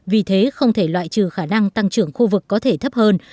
vì thế không thể loại trừ khả năng tăng trưởng khu vực có thể thấp hơn